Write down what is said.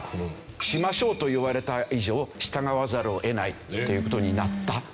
しましょうと言われた以上従わざるを得ないという事になった。